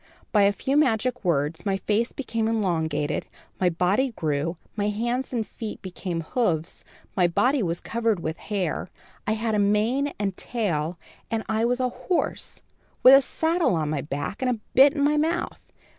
By a few magic words, my face became elongated, my body grew, my hands and feet became hoofs, my body was covered with hair, I had a mane and tail, and I was a horse, with a saddle on my back, and a bit in my mouth.